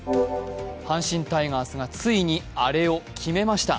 阪神タイガースがついにアレを決めました。